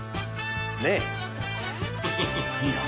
ねえ。